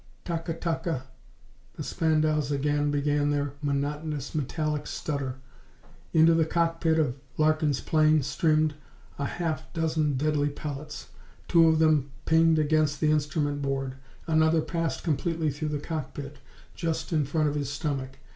Ta ka ta ka the Spandaus again began their monotonous, metallic stutter. Into the cockpit of Larkin's plane streamed a half dozen deadly pellets. Two of them pinged against the instrument board, another passed completely through the cockpit, just in front of his stomach.